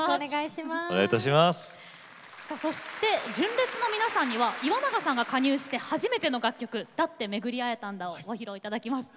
そして純烈の皆さんには岩永さんが加入して初めての楽曲「だってめぐり逢えたんだ」をご披露いただきます。